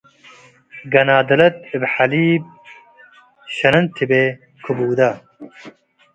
ጋናደለት እብ ሓሊብ ሸነን ተበ ከቡዳ